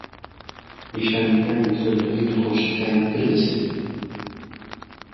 نیشانەکانی زۆر لە هی نەخۆشییەکانی تر دەچێت.